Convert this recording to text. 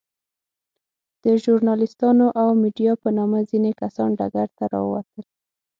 د ژورناليستانو او ميډيا په نامه ځينې کسان ډګر ته راووتل.